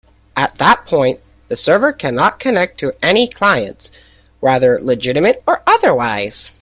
At that point, the server cannot connect to any clients, whether legitimate or otherwise.